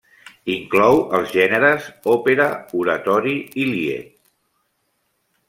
Inclou els gèneres Òpera, Oratori i Lied.